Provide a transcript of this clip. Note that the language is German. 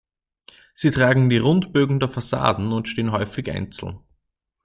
Sie tragen die Rundbögen der Fassaden und stehen häufig einzeln.